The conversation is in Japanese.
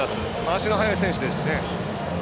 足の速い選手ですしね。